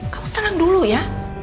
kamu tenang dulu ya